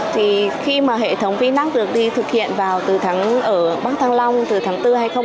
thì khi mà hệ thống vin ax được đi thực hiện vào từ tháng ở bắc thăng long từ tháng bốn hai nghìn một mươi bốn